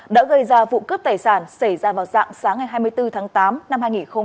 đã gây ra vụ cướp tài sản xảy ra vào dạng sáng ngày hai mươi bốn tháng tám năm hai nghìn hai mươi ba